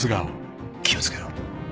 気を付けろ。